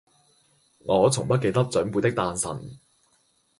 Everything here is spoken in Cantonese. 我從不記得長輩的誕辰